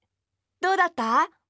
どうだった？